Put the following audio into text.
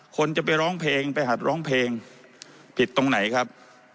คนจะไปร้องเพลงไปหัดร้องเพลงผิดตรงไหนครับ